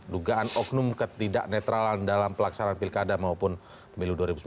dugaan oknum ketidak netralan dalam pelaksanaan pilkada maupun pemilu dua ribu sembilan belas